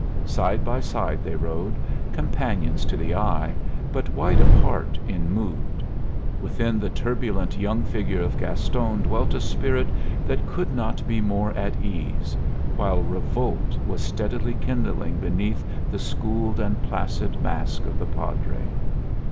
Side by side they rode, companions to the eye, but wide apart in mood; within the turbulent young figure of Gaston dwelt a spirit that could not be more at ease, while revolt was steadily kindling beneath the schooled and placid mask of the Padre.